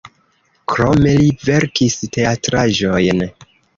Krome li verkis teatraĵojn.